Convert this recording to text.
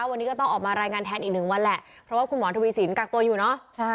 วันนี้ก็ต้องออกมารายงานแทนอีกหนึ่งวันแหละเพราะว่าคุณหมอทวีสินกักตัวอยู่เนอะ